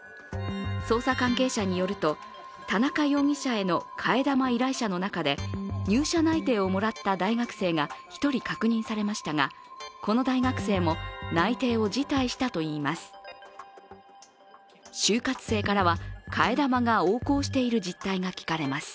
捜査関係者によると田中容疑者への替え玉依頼者の中で入社内定をもらった大学生が１人確認されましたが、この大学生も内定を辞退したといいます。